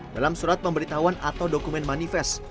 dalam surat pemberitahuan atau dokumen manifest